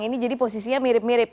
ini jadi posisinya mirip mirip